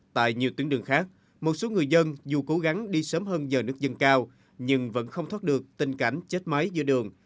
tại nhiều tuyến đường khác một số người dân dù cố gắng đi sớm hơn giờ nước dân cao nhưng vẫn không thoát được tình cảnh chết máy giữa đường